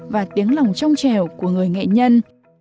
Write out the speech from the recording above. và tiếng lòng trong trẻo của người nghệ nhân